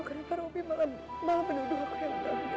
kenapa robby malah menuduh aku yang terhormat